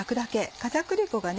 片栗粉がね